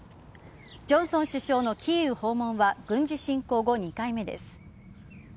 ジョンソン首相のキーウ訪問は軍事侵攻後２回目です。